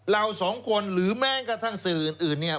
เราสองคนหรือแม้กระทั่งสื่ออื่นเนี่ย